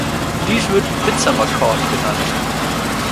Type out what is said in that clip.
Dies wird "Midsummer Court" genannt.